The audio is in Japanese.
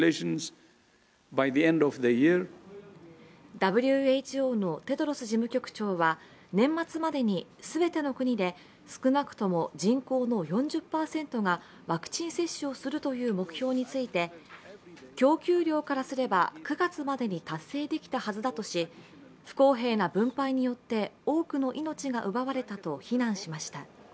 ＷＨＯのテドロス事務局長は年末までに全ての国で少なくとも人口の４０％がワクチン接種をするという目標について供給量からすれば９月までに達成できたはずだとし、不公平な分配によって多くの命が奪われたと非難しました。